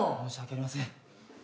申し訳ありません。